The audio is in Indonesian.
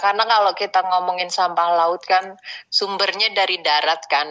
karena kalau kita ngomongin sampah laut kan sumbernya dari darat kan